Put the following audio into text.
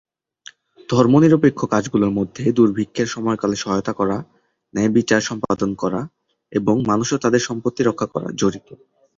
ধর্মনিরপেক্ষ কাজগুলোর মধ্যে দুর্ভিক্ষের সময়কালে সহায়তা করা, ন্যায়বিচার সম্পাদন করা এবং মানুষ ও তাদের সম্পত্তি রক্ষা করা জড়িত।